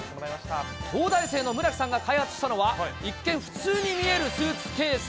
東大生の村木さんが開発したのは、一見、普通に見えるスーツケース。